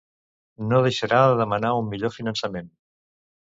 No deixarà de demanar un millor finançament.